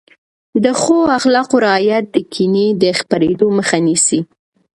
د ښو اخلاقو رعایت د کینې د خپرېدو مخه نیسي.